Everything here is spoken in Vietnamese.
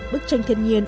bức tranh thiên nhiên